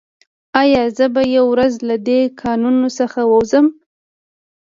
ایا زه به یوه ورځ له دې کانونو څخه ووځم